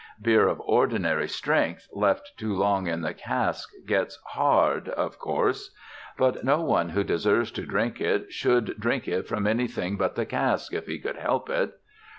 Beer of ordinary strength left too long in the cask gets "hard" of course; but no one who deserves to drink it would drink it from anything but the cask if he could help it.